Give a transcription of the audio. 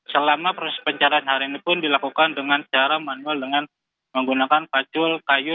selama proses pencarian hari ini pun dilakukan dengan cara manual dengan menggunakan pacul kayu